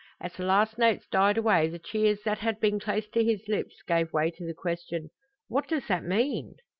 As the last notes died away the cheers that had been close to his lips gave way to the question, "What does that mean?"